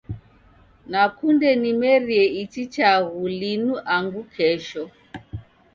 Nakunde nimerie ichi chaghu linu angu kesho.